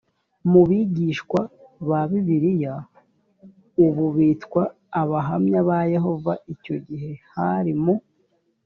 mu bigishwa ba bibiliya ubu bitwa abahamya ba yehova icyo gihe hari mu